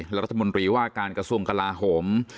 และรัฐมนตรีว่าการกระทรวงกลาโหม